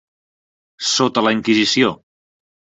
sota la Inquisició